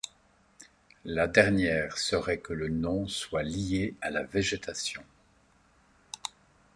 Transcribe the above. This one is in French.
La dernière serait que le nom soit lié à la végétation.